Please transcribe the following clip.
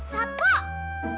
satu dua tiga